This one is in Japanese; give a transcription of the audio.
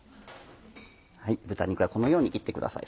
豚肉はこのように切ってください。